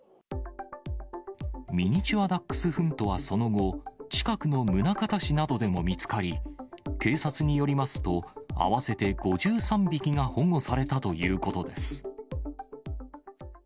ミニチュアダックスフントはその後、近くの宗像市などでも見つかり、警察によりますと、合わせて５３匹が保護されたということです。